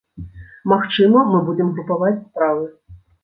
Магчыма, мы будзем групаваць справы.